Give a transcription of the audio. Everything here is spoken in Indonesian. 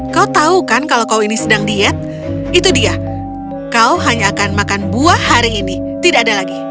kau tahu kan kalau kau ini sedang diet itu dia kau hanya akan makan buah hari ini tidak ada lagi